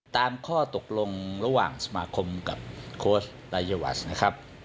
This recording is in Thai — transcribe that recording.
ตามข้อตกลงระหว่างสมาคมกับโค้ชรายวัชนะครับ